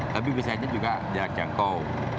tapi bisa aja juga jahat jangkau